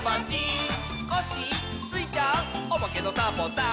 「コッシースイちゃんおまけのサボさん」